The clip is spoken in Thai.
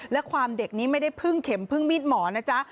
และความเด็กนี้ไม่ได้พึ่งเข็มพึ่งมีดหมอนะจ๊ะ